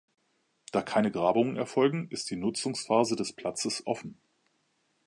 Da keine Grabungen erfolgten, ist die Nutzungsphase des Platzes offen.